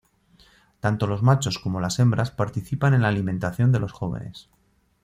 Tanto los machos como las hembras participan en la alimentación de los jóvenes.